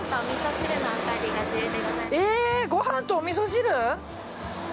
ご飯とおみそ汁？